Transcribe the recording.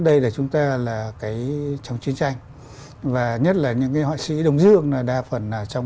đây là chúng ta là cái trong chiến tranh và nhất là những cái họa sĩ đông dương là đa phần là trong